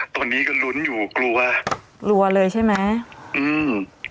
ตอนนี้ก็ลุ้นอยู่กลัวกลัวเลยใช่ไหมอืม